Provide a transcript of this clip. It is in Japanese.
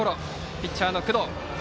ピッチャーの工藤。